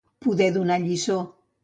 Poder donar lliçó.